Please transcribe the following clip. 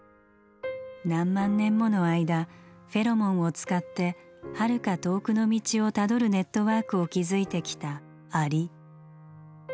何万年もの間フェロモンを使ってはるか遠くの道をたどるネットワークを築いてきたアリ。